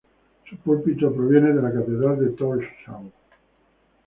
Su púlpito proviene de la catedral de Tórshavn.